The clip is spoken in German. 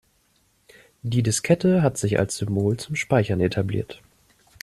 Die Diskette hat sich als Symbol zum Speichern etabliert.